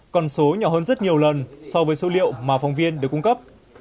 còn số nhỏ hơn rất nhiều lần so với số liệu mà phóng viên được cung cấp